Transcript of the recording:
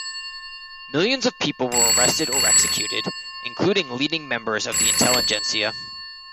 Millions of people were arrested or executed, including leading members of the intelligentsia.